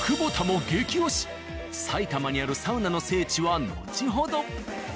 埼玉にあるサウナの聖地は後ほど。